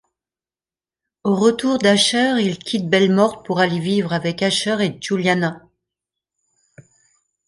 Au retour d'Asher, il quitte Belle Morte pour aller vivre avec Asher et Juliana.